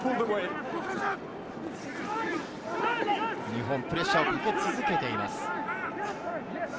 日本、プレッシャーをかけ続けています。